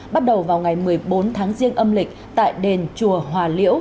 bắt đầu vào ngày một mươi bốn tháng riêng âm lịch tại đền chùa hòa liễu